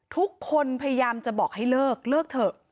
พยายามจะบอกให้เลิกเลิกเถอะ